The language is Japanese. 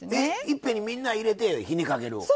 えっいっぺんにみんな入れて火にかける？